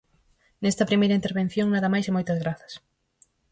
Nesta primeira intervención nada máis e moitas grazas.